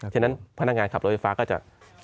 ฉะนั้นพนักงานขับรถไฟฟ้าก็จะ